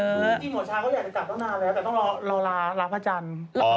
จริงหมอช้างเขาอยากจะจัดตั้งนานแล้วแต่ต้องรอรับพระจันทร์